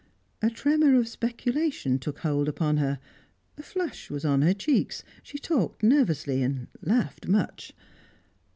A tremor of speculation took hold upon her; a flush was on her cheeks, she talked nervously, laughed much.